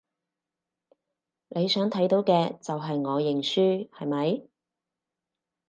你想睇到嘅就係我認輸，係咪？